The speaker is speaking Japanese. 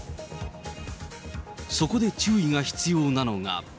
そこで注意が必要なのが。